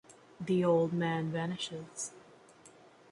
The old man vanishes.